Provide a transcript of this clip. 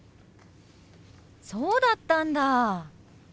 そうだったんだ！